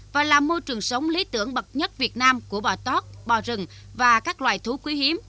và là môi trường sống lý tưởng bậc nhất việt nam của bò tót bò rừng và các loài thú quý hiếm